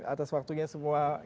atas waktunya semua